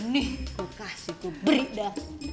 nih kukasih kuberik dah